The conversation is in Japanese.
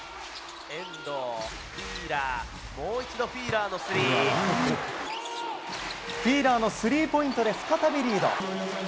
えんどう、フィーラー、フィーラーのスリーポイントで再びリード。